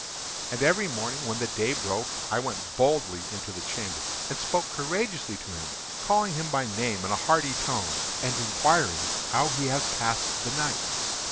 And every morning, when the day broke, I went boldly into the chamber, and spoke courageously to him, calling him by name in a hearty tone, and inquiring how he has passed the night.